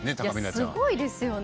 すごいですよね。